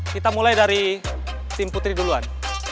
kita mulai dari tim putri duluan